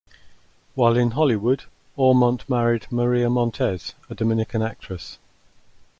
While in Hollywood, Aumont married Maria Montez, a Dominican actress.